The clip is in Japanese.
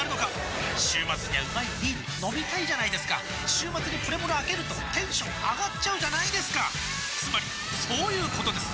週末にはうまいビール飲みたいじゃないですか週末にプレモルあけるとテンション上がっちゃうじゃないですかつまりそういうことです！